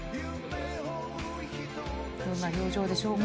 どんな表情でしょうか。